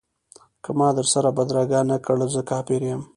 که ما در سره بدرګه نه کړ زه کافر یم.